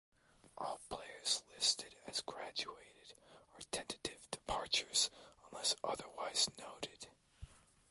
All players listed as "graduated" are tentative departures unless otherwise noted.